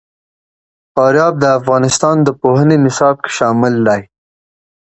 فاریاب د افغانستان د پوهنې نصاب کې شامل دي.